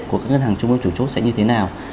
của các ngân hàng trung ương chủ chốt sẽ như thế nào